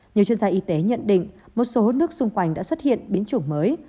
nhiều chuyên gia y tế nhận định một số nước xung quanh đã xuất hiện biến chủng mới